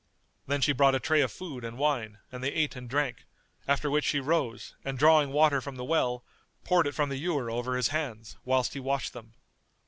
Then she brought a tray of food and wine, and they ate and drank; after which she rose and drawing water from the well, poured it from the ewer over his hands, whilst he washed them.